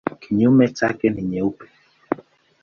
Kinyume chake ni nyeupe.